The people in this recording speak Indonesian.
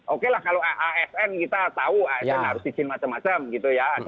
oke lah kalau asn kita tahu asn harus izin macam macam gitu ya